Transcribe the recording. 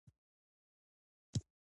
یو سل او درې اتیایمه پوښتنه د بودیجې طرحه ده.